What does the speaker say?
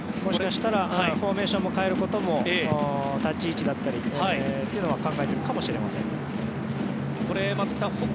フォーメーションを変えることも立ち位置だったりというのは考えてるかもしれません。